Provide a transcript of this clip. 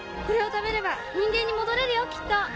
これを食べれば人間に戻れるよきっと。